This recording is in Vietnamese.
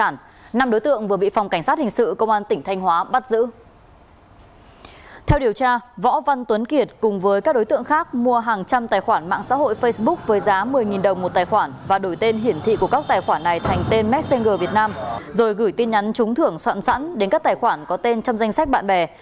rồi gửi tin nhắn trúng thưởng soạn sẵn đến các tài khoản có tên trong danh sách bạn bè